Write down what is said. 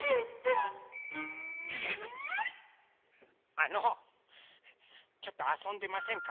あのちょっとあそんでませんか？